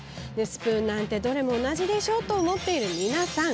スプーンなんて、どれも同じでしょと思っている皆さん。